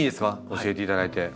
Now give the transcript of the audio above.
教えていただいて。